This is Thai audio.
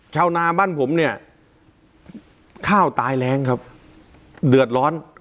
ชาวนาบ้านผมเนี่ยข้าวตายแรงครับเดือดร้อน